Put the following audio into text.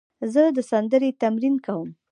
زه د سندرې تمرین کوم.